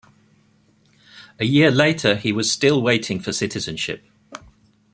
A year later he was still waiting for citizenship.